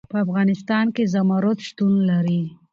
په افغانستان کې زمرد شتون لري.